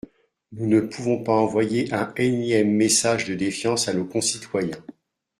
Nous ne pouvons pas envoyer un énième message de défiance à nos concitoyens.